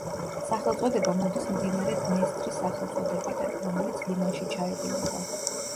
სახელწოდება მოდის მდინარე დნესტრის სახელწოდებიდან, რომელიც ლიმანში ჩაედინება.